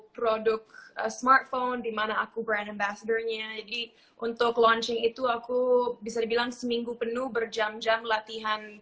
produk smartphone dimana aku brand ambassternya jadi untuk launching itu aku bisa dibilang seminggu penuh berjam jam latihan